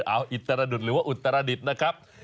เอาอิตรดุษหรือว่าอุตรดิษฐ์นะครับ